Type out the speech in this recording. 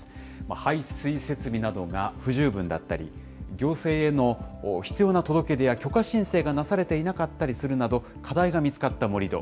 排水設備などが不十分だったり、行政への必要な届け出や許可申請がなされていなかったりするなど、課題が見つかった盛り土。